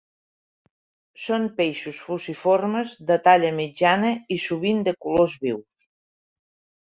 Són peixos fusiformes de talla mitjana i sovint de colors vius.